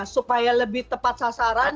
supaya lebih tepat sasaran